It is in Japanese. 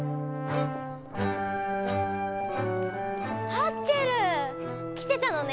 ハッチェル！来てたのね！